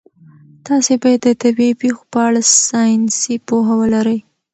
تاسي باید د طبیعي پېښو په اړه ساینسي پوهه ولرئ.